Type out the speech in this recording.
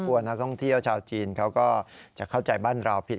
นักท่องเที่ยวชาวจีนเขาก็จะเข้าใจบ้านเราผิด